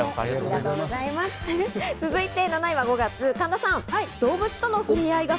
続いて７位は５月、神田さん。